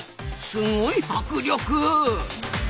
すごい迫力！